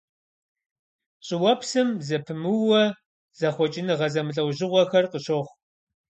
ЩӀыуэпсым зэпымыууэ зэхъукӀэныгъэ зэмылӀэужьыгъуэхэр къыщохъу.